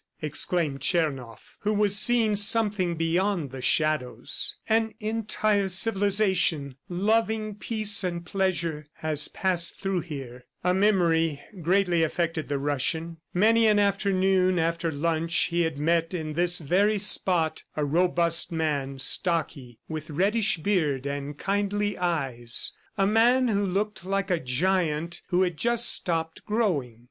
exclaimed Tchernoff who was seeing something beyond the shadows. "An entire civilization, loving peace and pleasure, has passed through here." A memory greatly affected the Russian. Many an afternoon, after lunch, he had met in this very spot a robust man, stocky, with reddish beard and kindly eyes a man who looked like a giant who had just stopped growing.